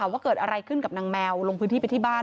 ว่าเกิดอะไรขึ้นกับนางแมวลงพื้นที่ไปที่บ้าน